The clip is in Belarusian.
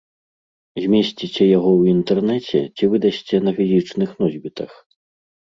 Змесціце яго ў інтэрнэце ці выдасце на фізічных носьбітах?